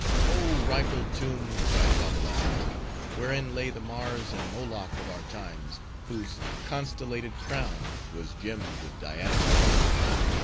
"Oh rifled tomb!" cried Babbalanja. "Wherein lay the Mars and Moloch of our times, whose constellated crown, was gemmed with diadems.